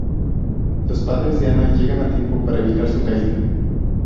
Los padres de Anna llegan a tiempo para evitar su caída.